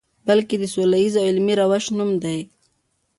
بلکې د سولیز او علمي روش نوم دی.